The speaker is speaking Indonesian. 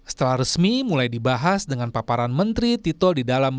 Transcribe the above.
setelah resmi mulai dibahas dengan paparan menteri tito di dalam